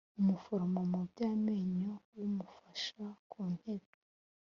umuforomo mu by amenyo w umufasha ku ntebe